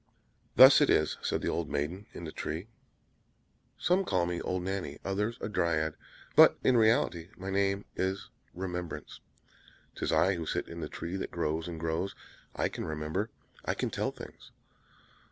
"Thus it is," said the little maiden in the tree, "some call me 'Old Nanny,' others a 'Dryad,' but, in reality, my name is 'Remembrance'; 'tis I who sit in the tree that grows and grows! I can remember; I can tell things!